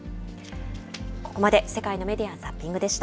ここまで世界のメディア・ザッピングでした。